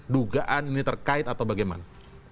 dugaan ini terkait atau bagaimana